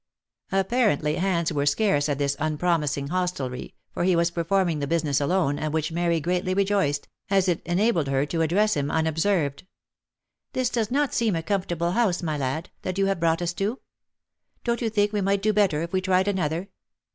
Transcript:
Apparently hands were scarce at this unpromising hostelry, for he was performing the business alone, at which Mary greatly rejoiced, as it enabled her to address him un observed. " This does not seem a comfortable house, my lad, that you have brought us to. Don't you think we might do better if we tried another?"